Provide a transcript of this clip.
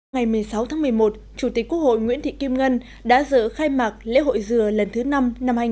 ngày một mươi sáu tháng một mươi một chủ tịch quốc hội nguyễn thị kim ngân đã dự khai mạc lễ hội dừa lần thứ năm năm hai nghìn một mươi chín